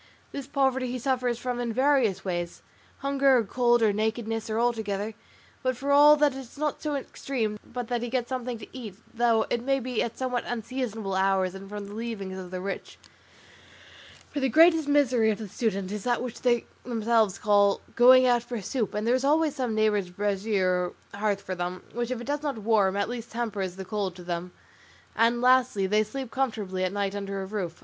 This poverty he suffers from in various ways, hunger, or cold, or nakedness, or all together; but for all that it is not so extreme but that he gets something to eat, though it may be at somewhat unseasonable hours and from the leavings of the rich; for the greatest misery of the student is what they themselves call 'going out for soup,' and there is always some neighbour's brazier or hearth for them, which, if it does not warm, at least tempers the cold to them, and lastly, they sleep comfortably at night under a roof.